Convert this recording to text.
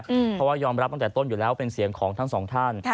เพราะว่ายอมรับตั้งแต่ต้นอยู่แล้วเป็นเสียงของทั้งสองท่าน